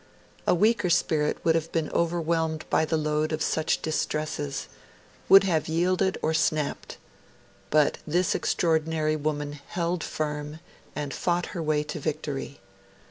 A weaker spirit would have been overwhelmed by the load of such distresses would have yielded or snapped. But this extraordinary young woman held firm, and fought her way to victory.